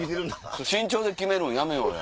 身長で決めるんやめようや。